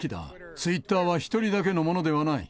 ツイッターは１人だけのものではない。